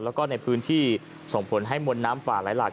แล้วก็ในพื้นที่ส่งผลให้มวลน้ำป่าไหลหลาก